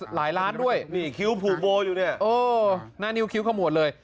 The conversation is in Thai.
หลายล้านด้วยนี่คิ้วผูกโบอยู่เนี่ยเออหน้านิ้วคิ้วขมวดเลย